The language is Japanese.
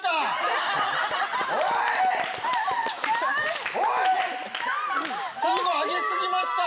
おい！